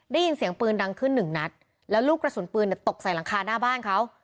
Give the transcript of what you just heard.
ได้ยินเสียงปืนดังขึ้นหนึ่งนัดแล้วลูกกระสุนปืนตกใส่หลังคาหน้าบ้านเขา